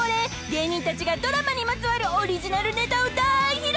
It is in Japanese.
芸人たちがドラマにまつわるオリジナルネタを大披露］